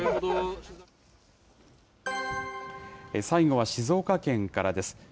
最後は静岡県からです。